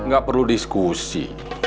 gak perlu diskusi